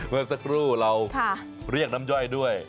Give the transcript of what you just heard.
เมื่อสักครู่เราเรียกน้ำย่อยด้วย